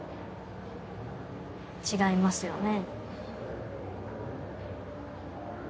違いますよね？